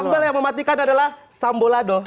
sambal yang mematikan adalah sambal lado